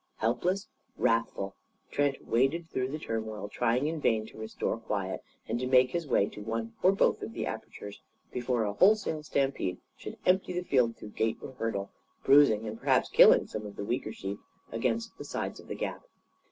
Helpless, wrathful, Trent waded through the turmoil, trying in vain to restore quiet, and to make his way to one or both of the apertures before a wholesale stampede should empty the field through gate or hurdle, bruising and perhaps killing some of the weaker sheep against the sides of the gap.